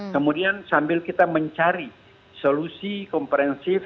kemudian sambil kita mencari solusi komprehensif